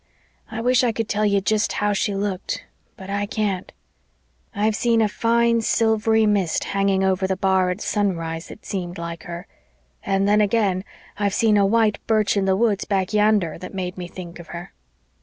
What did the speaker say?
I wish I could tell you jest how she looked, but I can't. I've seen a fine, silvery mist hanging over the bar at sunrise that seemed like her and then again I've seen a white birch in the woods back yander that made me think of her.